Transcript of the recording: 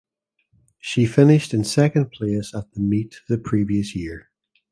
She finished in second place at the meet the previous year.